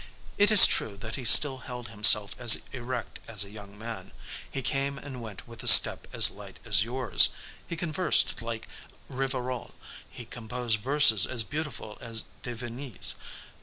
It is true that he still held himself as erect as a young man, he came and went with a step as light as yours, he conversed like Rivarol, he composed verses as beautiful as De Vigny's.